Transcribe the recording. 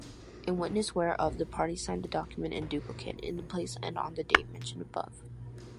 In witness whereof, the parties sign the document in duplicate, in the place and on the date mentioned above.